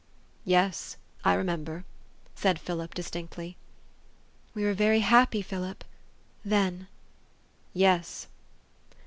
" Yes, I remember," said Philip distinctly. " We were very happy, Philip then." "Yes."